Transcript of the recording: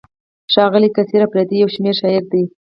ښاغلی قیصر اپریدی یو شمېر شاعر دی.